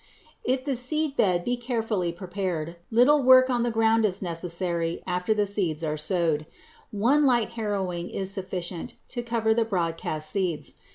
If the seed bed be carefully prepared, little work on the ground is necessary after the seeds are sowed. One light harrowing is sufficient to cover the broadcast seeds.